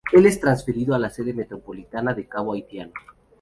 El es transferido a la sede metropolitana de Cabo Haitiano.